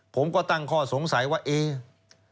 ผมก็ตั้งข้อสงสัยว่าเอ๊ะ